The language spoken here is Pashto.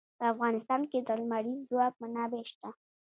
په افغانستان کې د لمریز ځواک منابع شته.